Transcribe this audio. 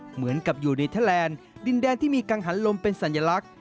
เหมือนกับอยู่ในเทอร์แลนด์ดินแดนที่มีกังหันลมเป็นสัญลักษณ